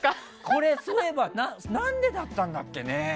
これ、そういえば何でだったんだっけね。